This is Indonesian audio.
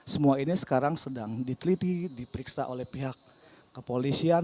semua ini sekarang sedang diteliti diperiksa oleh pihak kepolisian